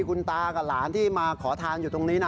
คุณตากับหลานที่มาขอทานอยู่ตรงนี้นะ